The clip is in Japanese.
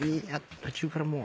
途中からもう。